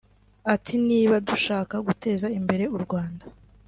ati “Niba dushaka guteza imbere u Rwanda